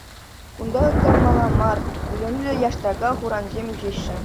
Кунта ытармалла мар илемлӗ яштака хурӑнсем ӳсеҫҫӗ.